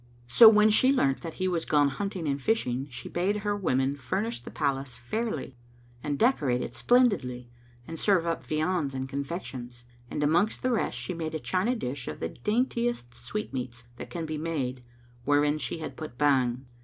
So when she learnt that he was gone hunting and fishing, she bade her women furnish the Palace fairly and decorate it splendidly and serve up viands and confections; and amongst the rest she made a China dish of the daintiest sweetmeats that can be made wherein she had put Bhang.